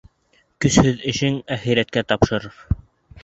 Көсһөҙ эшен әхирәткә тапшырыр.